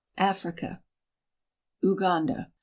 AFRICA Uganda.